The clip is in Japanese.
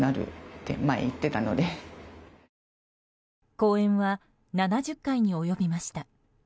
講演は７０回に及びました。